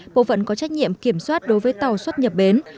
bộ phận có trách nhiệm kiểm soát đối với tàu xuất nhập bến